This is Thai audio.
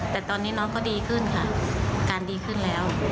แต่ตอนนี้น้องก็ดีขึ้นค่ะอาการดีขึ้นแล้ว